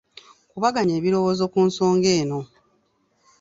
Kubaganya ebirowoozo ku nsonga eno.